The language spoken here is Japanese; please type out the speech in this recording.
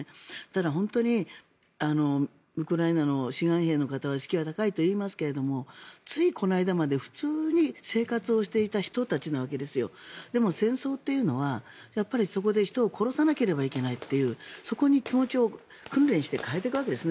ただ、本当にウクライナの志願兵の方は士気が高いといいますがついこの間まで普通に生活をしていた人たちなわけですよでも、戦争というのはそこで人を殺さなければいけないというそこに気持ちを訓練をして変えていくわけです。